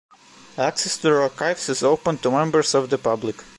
Access to the archives is open to members of the public.